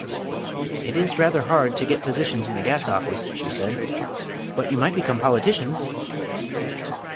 "It is rather hard to get positions in the gas office," she said, "but you might become politicians."